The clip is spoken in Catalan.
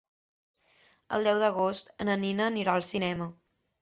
El deu d'agost na Nina anirà al cinema.